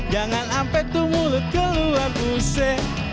jangan ampe tuh mulut keluar guse